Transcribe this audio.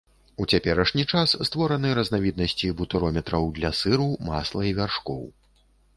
У цяперашні час створаны разнавіднасці бутырометраў для сыру, масла і вяршкоў.